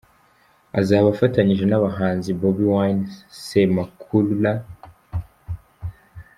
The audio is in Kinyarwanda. Azaba afatanyije n’abahanzi Bobi Wine, Semakura….